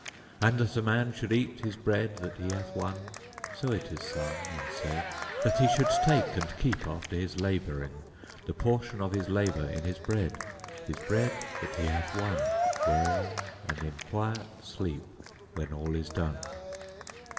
And that a man should eat His bread that he hath won; (So is it sung and said), That he should take and keep, After his laboring, The portion of his labor in his bread, His bread that he hath won; Yea, and in quiet sleep, When all is done.